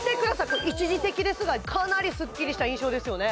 これ一時的ですがかなりスッキリした印象ですよね